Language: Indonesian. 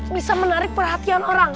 bisa menarik perhatian orang